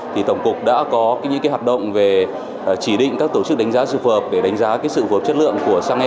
thì tổng cục đã có những hạt động về chỉ định các tổ chức đánh giá sự phợp để đánh giá sự phợp chất lượng của xăng e năm